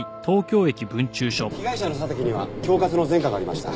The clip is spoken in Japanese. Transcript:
被害者の佐竹には恐喝の前科がありました。